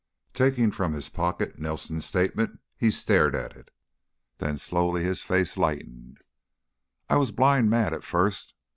Taking from his pocket Nelson's statement, he stared at it, then slowly his face lightened. "I was blind mad at first.